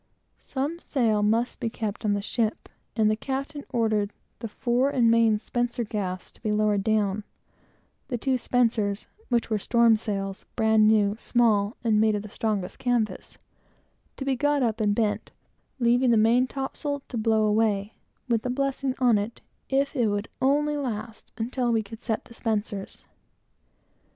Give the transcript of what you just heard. Some sail must be kept on the ship, and the captain ordered the fore and main spencer gaffs to be lowered down, and the two spencers (which were storm sails, bran new, small, and made of the strongest canvas) to be got up and bent; leaving the main topsail to blow away, with a blessing on it, if it would only last until we could set the spencers.